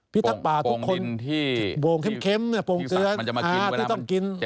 พี่ทักป่าทุกคนโป่งเข็มโป่งเตือนที่ต้องกิน